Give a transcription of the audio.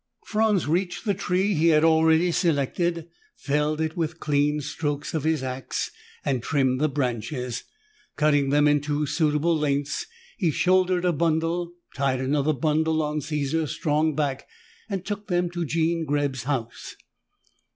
Franz reached the tree he had already selected, felled it with clean strokes of his ax and trimmed the branches. Cutting them into suitable lengths, he shouldered a bundle, tied another bundle on Caesar's strong back and took them to Jean Greb's house.